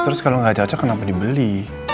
terus kalo gak cocok kenapa dibeli